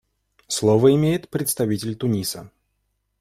Слово имеет представитель Туниса.